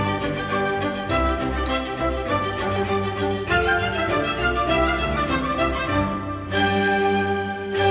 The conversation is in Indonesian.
jangan lupa untuk berlangganan